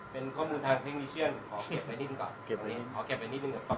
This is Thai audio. เป็นข้อมูลทางขอเก็บไปนิดหนึ่งก่อนขอเก็บไปนิดหนึ่ง